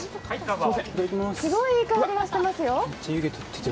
すごいいい香りがしてますよ。